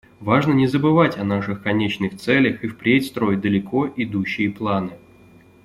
Важно не забывать о наших конечных целях и впредь строить далеко идущие планы.